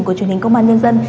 của truyền hình công an nhân dân